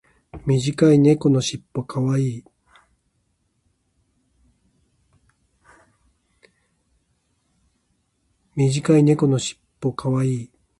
短い猫のしっぽ可愛い。